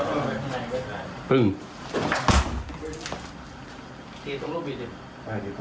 ใช่ฉีดตรงรูปิด